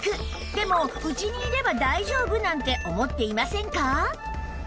でも家にいれば大丈夫なんて思っていませんか？